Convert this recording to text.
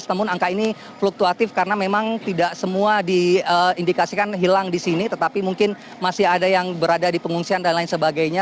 namun angka ini fluktuatif karena memang tidak semua diindikasikan hilang di sini tetapi mungkin masih ada yang berada di pengungsian dan lain sebagainya